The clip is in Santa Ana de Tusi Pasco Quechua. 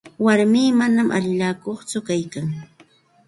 Warmii manam allillakutsu kaykan.